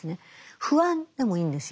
「不安」でもいいんですよ。